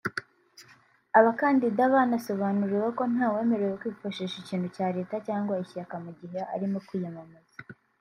Abakandida banasobanuriwe ko nta wemerewe kwifashisha ikintu cya leta cyangwa ishyaka mu gihe arimo kwiyamamaza